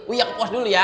uya ke pos dulu ya